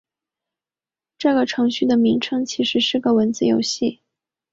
这个程序的名称其实是个文字游戏。